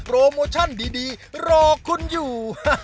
โปรโมชันดีรอคุณอยู่